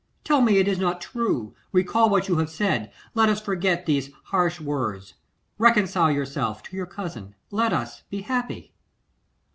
Tell me it is not true; recall what you have said; let us forget these harsh words; reconcile yourself to your cousin; let us be happy.